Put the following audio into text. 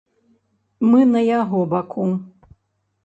Мы на яго баку.